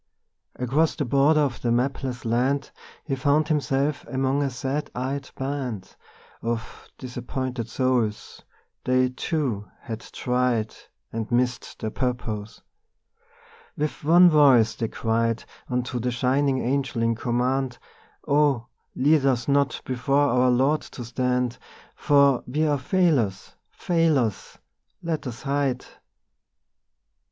Across the border of the mapless land He found himself among a sad eyed band Of disappointed souls; they, too, had tried And missed their purpose. With one voice they cried Unto the shining Angel in command: 'Oh, lead us not before our Lord to stand, For we are failures, failures! Let us hide.